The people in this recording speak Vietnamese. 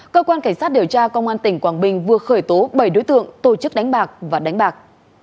cơ quan cảnh sát điều tra công an tỉnh quảng bình vừa khởi tố bảy đối tượng tổ chức đánh bạc và đánh bạc